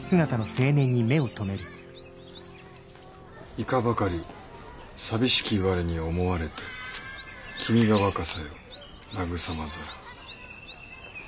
「いかばかり淋しきわれに思はれて君が『若さ』よ慰まざらん」。